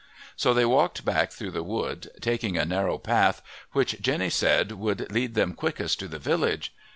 So they walked back through the wood, taking a narrow path which Jenny said would lead them quickest to the village.